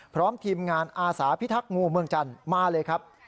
พร้อมทีมงานอาสาพิทักษ์งูเมืองจันทร์มาเลยครับ